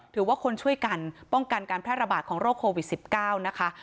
ถือว่าคนช่วยกันป้องกันการแพร่ระบาดของโรคโควิด๑๙นะคะ